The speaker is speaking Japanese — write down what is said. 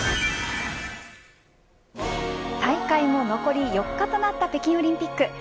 大会も残り４日となった北京オリンピック